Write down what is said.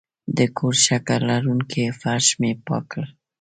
د کور شګه لرونکی فرش مې پاک کړ.